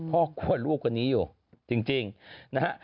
พ่อกลัวลูกคนนี้เว้ยจริงนะฮะ